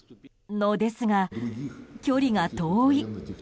のですが、距離が遠い。